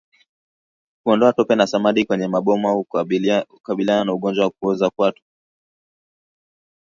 Kuondoa tope na samadi kwenye maboma hukabiliana na ugonjwa wa kuoza kwato